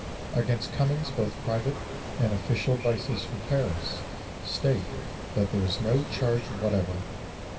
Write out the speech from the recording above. Against Cummings both private and official advices from Paris state that there is no charge whatever.